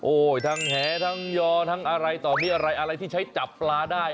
ทั้งแหทั้งยอทั้งอะไรต่อมีอะไรอะไรที่ใช้จับปลาได้